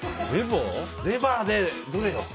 レバーで、どれよ。